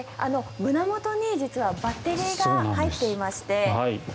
胸元に実はバッテリーが入っていまして。